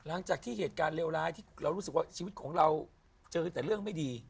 เหตุการณ์เลวร้ายที่เรารู้สึกว่าชีวิตของเราเจอแต่เรื่องไม่ดี